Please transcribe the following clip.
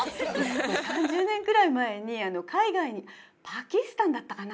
もう３０年ぐらい前に海外にパキスタンだったかな